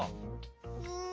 うん。